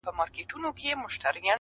ټول جهان له ما ودان دی نه ورکېږم!